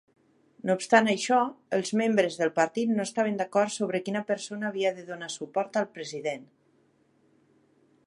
No obstant això, els membres del partit no estaven d'acord sobre quina persona havia de donar suport al president.